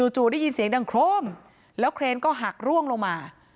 จู่ได้ยินเสียงดังโครมแล้วเครนก็หักร่วงลงมา